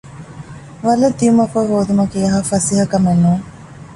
ވަލަށް ދިޔުމަށްފަހު ހޯދުމަކީ އެހާ ފަސޭހަކަމެއްނޫން